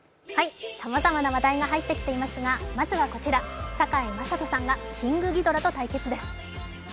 さまざまな話題が入ってきていますがまずはこちら、堺雅人さんがキングギドラと対決です。